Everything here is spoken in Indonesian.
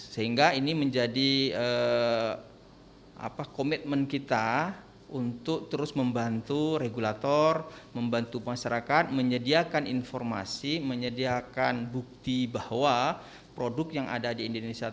sehingga ini menjadi komitmen kita untuk terus membantu regulator membantu masyarakat menyediakan informasi menyediakan bukti bahwa produk yang ada di indonesia